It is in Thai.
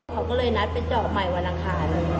เขาก็เลยนัดไปเจาะใหม่วันอังคาร